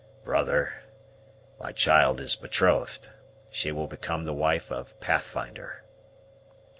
"Brother, my child is betrothed; she will become the wife of Pathfinder."